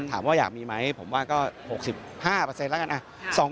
ถามว่าอยากมีไหมผมว่าก็๖๕แล้วกัน